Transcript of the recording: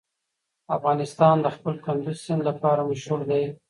افغانستان د خپل کندز سیند لپاره مشهور دی.